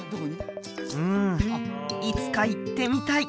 うんいつか行ってみたい！